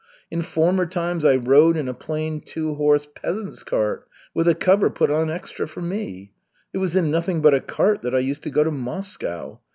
In former times I rode in a plain two horse peasant's cart with a cover put on extra for me. It was in nothing but a cart that I used to go to Moscow.